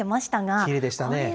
きれいでしたね。